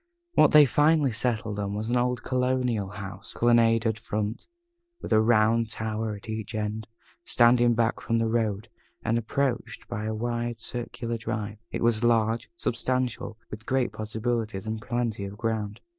What they finally settled on was an old colonial house with a colonnaded front, and a round tower at each end, standing back from the road, and approached by a wide circular drive. It was large, substantial, with great possibilities, and plenty of ground.